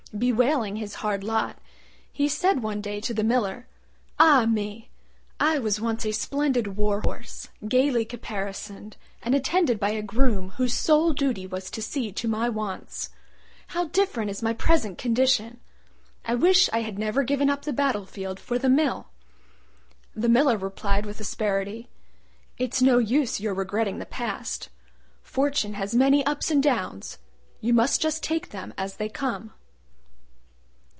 Bewailing his hard lot, he said one day to the Miller, "Ah me! I was once a splendid war horse, gaily caparisoned, and attended by a groom whose sole duty was to see to my wants. How different is my present condition! I wish I had never given up the battlefield for the mill." The Miller replied with asperity, "It's no use your regretting the past. Fortune has many ups and downs: you must just take them as they come."